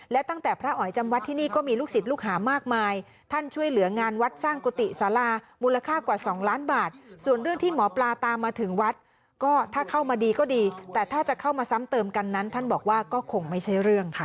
และตั้งแต่พระอ๋อยจำวัดที่นี่ก็มีลูกศิษย์ลูกหามากมายท่านช่วยเหลืองานวัดสร้างกุฏิสารามูลค่ากว่า๒ล้านบาทส่วนเรื่องที่หมอปลาตามมาถึงวัดก็ถ้าเข้ามาดีก็ดีแต่ถ้าจะเข้ามาซ้ำเติมกันนั้นท่านบอกว่าก็คงไม่ใช่เรื่องค่ะ